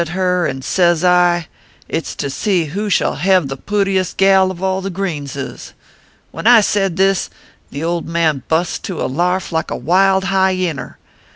21 at her, and sez I : l It s to see who shall hev the poot iest gal of all the Greenses/ When I said this, the old man bust into a larf like a wild hyenner.